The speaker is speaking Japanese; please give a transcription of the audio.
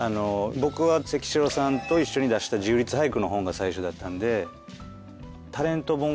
僕はせきしろさんと一緒に出した自由律俳句の本が最初だったんで。